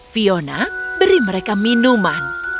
fiona beri mereka minuman